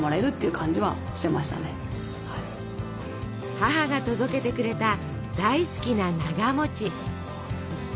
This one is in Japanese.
母が届けてくれた大好きななが。